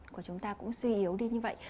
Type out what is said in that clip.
của chúng ta cũng suy yếu đi như vậy